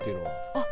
あっ。